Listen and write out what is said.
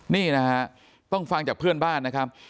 นี่นะฮะต้องฟังจากเพื่อนบ้านนะครับ